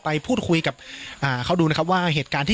ปกติพี่สาวเราเนี่ยครับเป็นคนเชี่ยวชาญในเส้นทางป่าทางนี้อยู่แล้วหรือเปล่าครับ